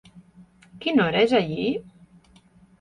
Quina hora és allí?